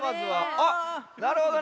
あっなるほどね。